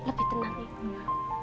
lebih tenang ya